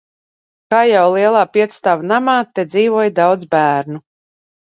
Kā jau lielā piecstāvu namā te dzīvoja daudz bērnu.